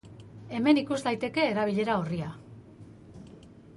Hemen ikus daiteke erabilera-orria.